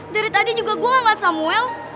dari tadi juga gue gak liat samuel